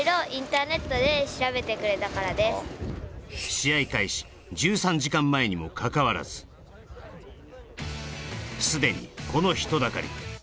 試合開始１３時間前にもかかわらず、既にこの人だかり。